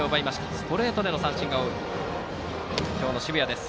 ストレートでの三振が多い今日の澁谷です。